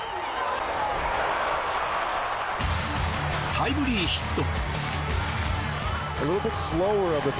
タイムリーヒット。